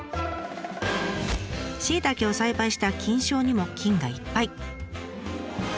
シイタケを栽培した菌床にも菌がいっぱい。